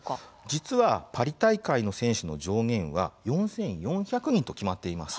実は、パリ大会の選手の上限は４４００人と決まっています。